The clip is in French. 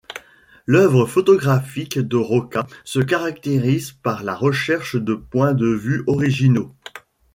L'œuvre photographique de Roca se caractérise par la recherche de points de vue originaux.